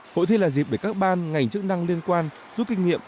hội thi là dịp để các ban ngành chức năng liên quan giúp kinh nghiệm